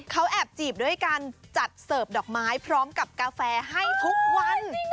เขาแอบจีบด้วยการจัดเสิร์ฟดอกไม้พร้อมกับกาแฟให้ทุกวัน